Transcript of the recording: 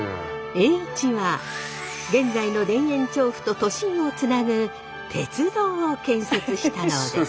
栄一は現在の田園調布と都心をつなぐ鉄道を建設したのです。